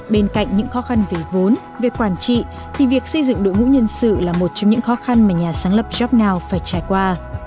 bên cạnh những khó khăn về vốn về quản trị thì việc xây dựng đội ngũ nhân sự là một trong những khó khăn mà nhà sáng lập jobnow phải trải qua